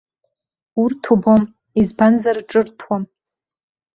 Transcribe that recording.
Урҭ убом, избанзар ҿырҭуам.